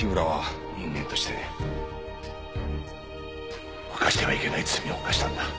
人間として犯してはいけない罪を犯したんだ。